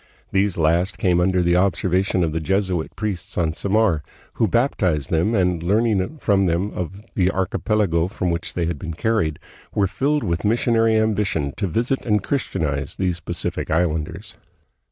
These last came under the observation of the Jesuit priests on Samar, who baptized them, and, learning from them of the archipelago from which they had been carried, were filled with missionary ambition to visit and Christianize these Pacific' islanders.